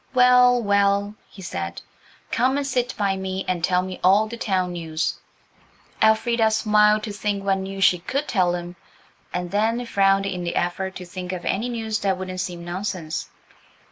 "Well, well," he said, "come and sit by me and tell me all the town news." Elfrida smiled to think what news she could tell him, and then frowned in the effort to think of any news that wouldn't seem nonsense.